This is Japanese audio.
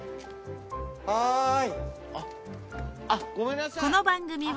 はい。